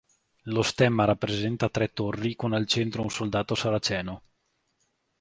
Lo stemma rappresenta tre torri con al centro un soldato saraceno.